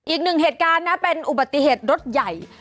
อีกหนึ่งเหตุการณ์นะเป็นอุบัติเหตุรถใหญ่